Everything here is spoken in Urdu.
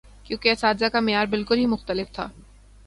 کیونکہ اساتذہ کا معیار بالکل ہی مختلف تھا۔